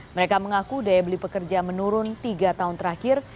mereka mengaku daya beli pekerja menurun tiga tahun terakhir